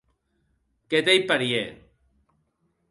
Que t’ei parièr.